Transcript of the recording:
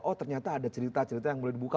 oh ternyata ada cerita cerita yang mulai dibuka